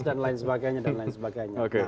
dan lain sebagainya dan lain sebagainya